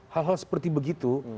hal hal seperti begitu